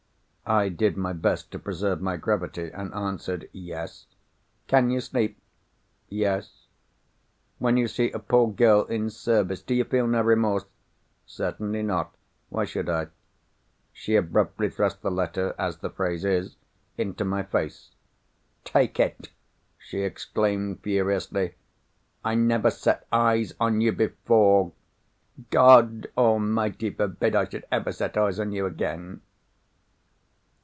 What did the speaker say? I did my best to preserve my gravity, and answered, "Yes." "Can you sleep?" "Yes." "When you see a poor girl in service, do you feel no remorse?" "Certainly not. Why should I?" She abruptly thrust the letter (as the phrase is) into my face. "Take it!" she exclaimed furiously. "I never set eyes on you before. God Almighty forbid I should ever set eyes on you again."